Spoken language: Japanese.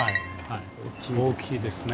大きいですね。